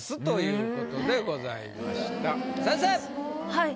はい。